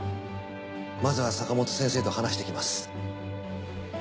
まずは坂本先生と話してきます。